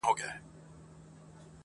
داسي محراب غواړم، داسي محراب راکه.